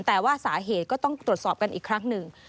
แต่ว่าสาเหตุก็ต้องตรวจสอบกันอีกครั้งหนึ่ง